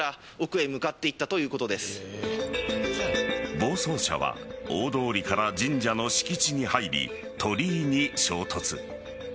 暴走車は大通りから神社の敷地に入り鳥居に衝突。